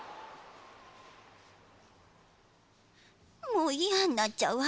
もういやんなっちゃうわ。